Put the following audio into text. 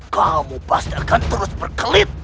kamu pasti akan terus berkelit